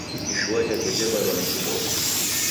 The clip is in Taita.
Ishua jape jebarwa ni kiboko.